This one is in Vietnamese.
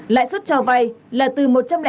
lãi suất cho vay là từ một trăm linh